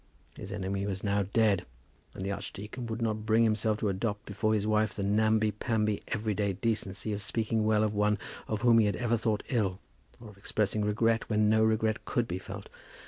His enemy was now dead, and the archdeacon could not bring himself to adopt before his wife the namby pamby every day decency of speaking well of one of whom he had ever thought ill, or of expressing regret when no regret could be felt.